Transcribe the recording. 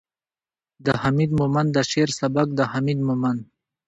، د حميد مومند د شعر سبک ،د حميد مومند